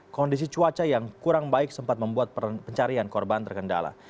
kondisi cuaca yang kurang baik sempat membuat pencarian korban terkendala